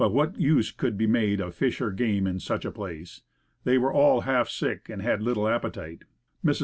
What use could be made of fish or game in such a place? They were all half sick, and had little appetite. Mrs.